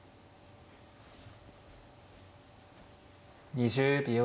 ２０秒。